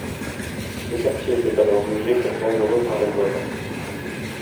Ce quartier était alors jugé comme dangereux par les voisins.